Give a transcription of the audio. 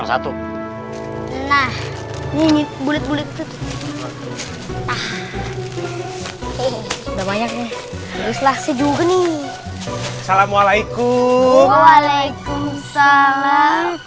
nah ini bulet bulet tuh ah udah banyak nih teruslah juga nih assalamualaikum waalaikumsalam